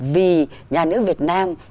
vì nhà nước việt nam